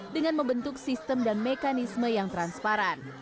dengan membentuk sistem dan mekanisme yang transparan